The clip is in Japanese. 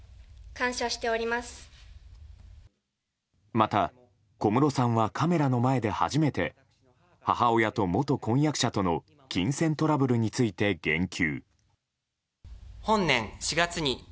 また、小室さんはカメラの前で初めて母親と元婚約者との金銭トラブルについて言及。